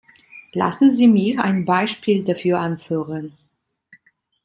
Lassen Sie mich ein Beispiel dafür anführen.